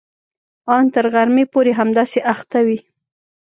ان تر غرمې پورې همداسې اخته وي.